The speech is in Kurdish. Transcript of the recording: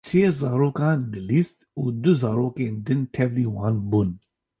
Sê zarokan dilîst û du zarokên din tevlî wan bûn.